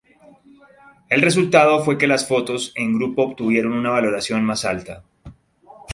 El resultado fue que las fotos en grupo obtuvieron una valoración más alta.